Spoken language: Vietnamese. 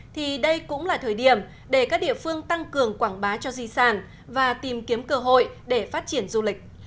thì đây cũng là thời điểm để các địa phương tăng cường quảng bá cho di sản và tìm kiếm cơ hội để phát triển du lịch